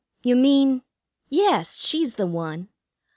You mean " "Yes; she's the one.